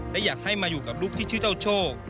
และอยากให้มาอยู่กับลูกที่ชื่อเจ้าโชค